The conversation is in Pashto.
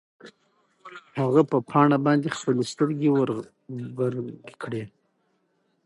هغه په پاڼه باندې خپلې سترګې وربرګې کړې.